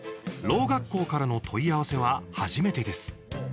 ろう学校からの問い合わせは初めてです。